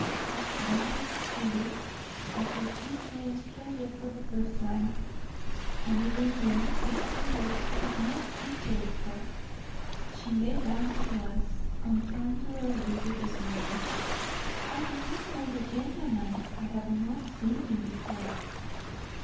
Quite calmly she looked, as though she saw a stranger for the first time, and even then a stranger who did not interest her. She laid down the glass, and turned to Earle, with a smile. "I do not know the gentleman; I have not seen him before."